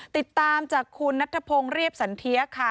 ติดตามจากคุณนัทธพงศ์เรียบสันเทียค่ะ